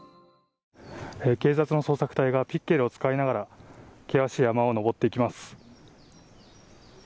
警察の捜索隊がピッケルを使いながら険しい山を登っていきます。